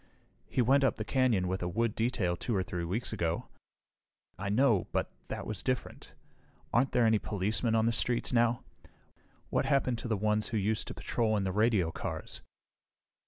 "He went up the canyon with the wood detail 2 or 3 weeks ago." "I know but that was different. Aren't there any policemen on the streets now? What happened to the ones who used to patrol in the radio cars?"